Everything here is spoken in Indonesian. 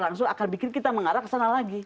langsung akan bikin kita mengarah ke sana lagi